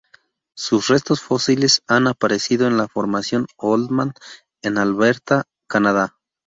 Sus restos fósiles han aparecido en la Formación Oldman, en Alberta, Canadá.